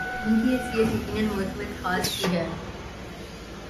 ‘ ان کی حیثیت یقینا معتمد خاص کی ہے۔